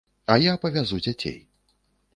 А я павязу дзяцей.